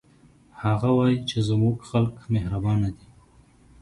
هغه وایي چې زموږ خلک مهربانه دي